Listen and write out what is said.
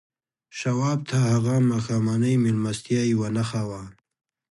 شواب ته هغه ماښامنۍ مېلمستیا یوه نښه وه